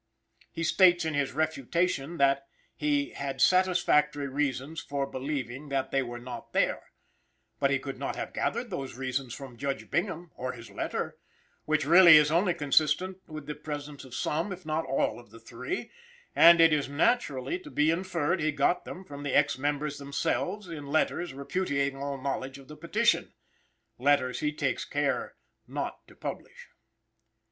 He states in his "Refutation," that he "had satisfactory reasons for believing that they were not there;" but he could not have gathered those reasons from Judge Bingham or his letter, which really is only consistent with the presence of some, if not all, of the three; and it is naturally to be inferred he got them from the ex members themselves in letters repudiating all knowledge of the petition; letters he takes care not to publish.